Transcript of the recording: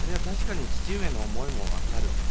確かに父上の思いも分かる。